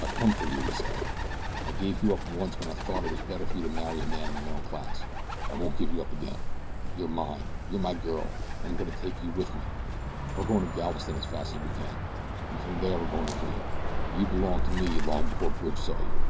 "I've come for you," he said. "I gave you up once when I thought it was better for you to marry a man in your own class. I won't give you up again. You're mine you're my girl, and I'm goin' to take you with me. Were goin' to Galveston as fast as we can, and from there we're goin' to Rio. You belonged to me long before Bridge saw you.